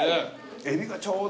エビがちょうどこう。